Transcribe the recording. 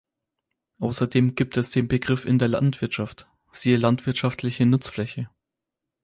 Außerdem gibt es den Begriff in der Landwirtschaft, siehe Landwirtschaftliche Nutzfläche.